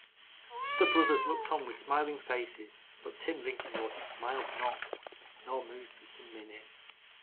The brothers looked on with smiling faces, but Tim Linkinwater smiled not, nor moved for some minutes.